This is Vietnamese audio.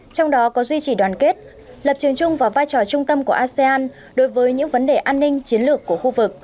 trong đó có duy trì đoàn kết lập trường chung và vai trò trung tâm của asean đối với những vấn đề an ninh chiến lược của khu vực